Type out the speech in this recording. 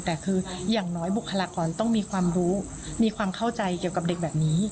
แต่คืออย่างน้อยบุคลากรต้องมีความรู้มีความเข้าใจเกี่ยวกับเด็กแบบนี้